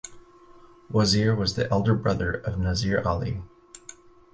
Wazir was the elder brother of Nazir Ali.